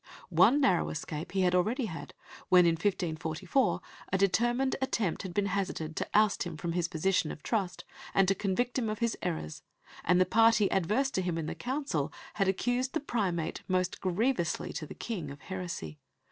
One narrow escape he had already had, when in 1544 a determined attempt had been hazarded to oust him from his position of trust and to convict him of his errors, and the party adverse to him in the Council had accused the Primate "most grievously" to the King of heresy.